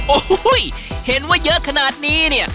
โอ้โหเห็นว่าเยอะขนาดนี้เนี่ย